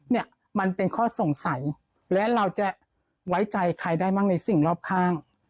เนี่ยมันเป็นข้อสงสัยและเราจะไว้ใจใครได้มั่งในสิ่งรอบข้าง